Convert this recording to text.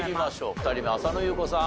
２人目浅野ゆう子さん